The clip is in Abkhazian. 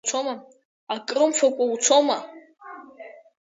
Акрымфакәа уцома?